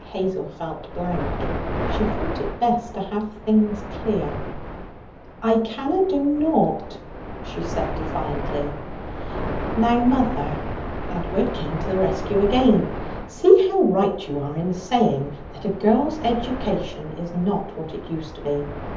Hazel felt blank. She thought it best to have things clear. 'I canna do naught,' she said defiantly. 'Now, mother' Edward came to the rescue again 'see how right you are in saying that a girl's education is not what it used to be!